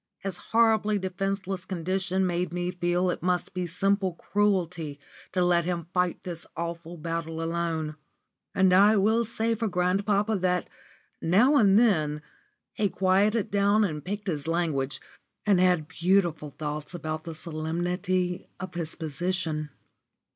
His horribly defenceless condition made me feel it must be simple cruelty to let him fight this awful battle alone. And I will say for grandpapa that, now and then, he quieted down and picked his language, and had beautiful thoughts about the solemnity of his position.